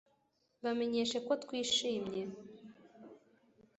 Bamenyeshe ko twishimye